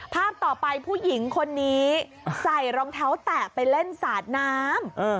ภาพต่อไปผู้หญิงคนนี้ใส่รองเท้าแตะไปเล่นสาดน้ำ